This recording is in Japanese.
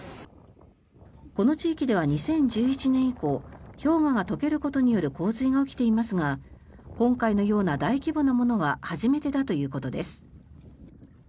この地域では２０１１年以降氷河が溶けることによる洪水が起きていますが今回のような大規模なものは初めてだということです。